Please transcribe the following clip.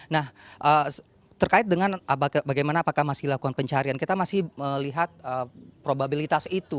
nah terkait dengan bagaimana apakah masih lakukan pencarian kita masih melihat probabilitas itu